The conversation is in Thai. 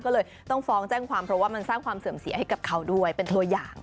ก็เลยต้องฟ้องแจ้งความเพราะว่ามันสร้างความเสื่อมเสียให้กับเขาด้วยเป็นตัวอย่าง